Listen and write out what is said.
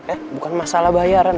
eh bukan masalah bayaran